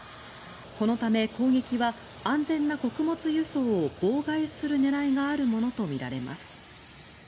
このため、攻撃は安全な穀物輸送を妨害する狙いがあるものとみられます。